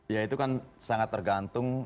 ya itu kan sangat tergantung